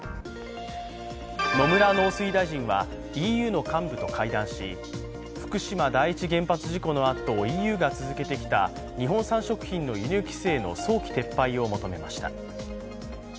野村農水大臣はＥＵの幹部と会談し福島第一原発事故のあと、ＥＵが続けてきた日本産食品の輸入規制の早期撤廃を求めました。